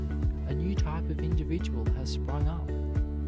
A new type of individual has sprung up.